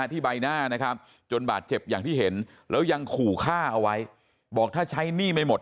ที่ใบหน้านะครับจนบาดเจ็บอย่างที่เห็นแล้วยังขู่ฆ่าเอาไว้บอกถ้าใช้หนี้ไม่หมด